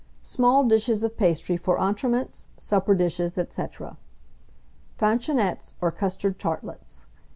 SMALL DISHES OF PASTRY FOR ENTREMETS, SUPPER DISHES, &c. FANCHONNETTES, or CUSTARD TARTLETS.